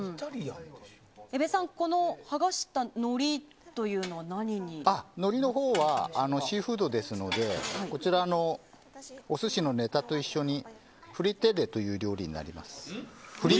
江部さん、剥がしたのりはのりのほうはシーフードですのでこちらのお寿司のネタと一緒にフリッテッレという料理になります。